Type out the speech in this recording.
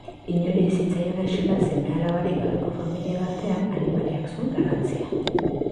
Inori ez zitzaion axola seme-alabarik gabeko familia batean animaliak zuen garrantzia.